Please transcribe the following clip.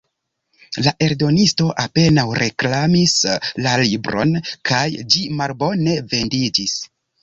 La eldonisto apenaŭ reklamis la libron, kaj ĝi malbone vendiĝis.